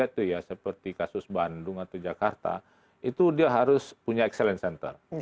itu ya seperti kasus bandung atau jakarta itu dia harus punya excellence center